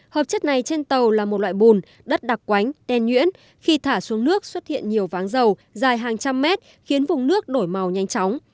hợp chất này trên tàu là một loại bùn đất đặc quánh đen nhuyễn khi thả xuống nước xuất hiện nhiều váng dầu dài hàng trăm mét khiến vùng nước đổi màu nhanh chóng